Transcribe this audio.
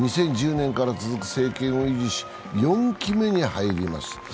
２０１０年から続く政権を維持し、４期目に入ります。